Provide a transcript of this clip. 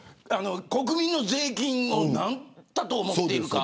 国民の税金を何だと思っているのか。